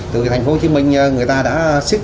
từ thành phố hồ chí minh người ta đã siết chặt